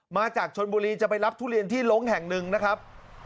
มาจากชนบุรีจะไปรับทุเรียนที่ลงแห่งหนึ่งนะครับ